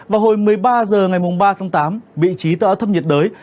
vào hồi một mươi ba h ngày ba tám vị trí tựa át thấp nhiệt đới